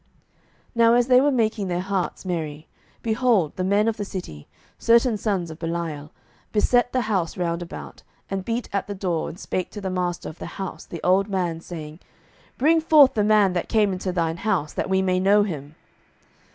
07:019:022 Now as they were making their hearts merry, behold, the men of the city, certain sons of Belial, beset the house round about, and beat at the door, and spake to the master of the house, the old man, saying, Bring forth the man that came into thine house, that we may know him.